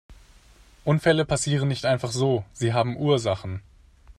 Unfälle passieren nicht einfach so, sie haben Ursachen.